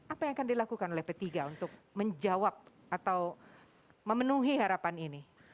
apa yang akan dilakukan oleh p tiga untuk menjawab atau memenuhi harapan ini